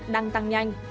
đăng tăng nhanh